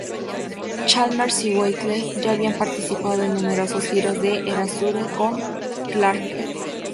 Chalmers y Whittle ya habían participado en numerosas giras de Erasure con Clarke.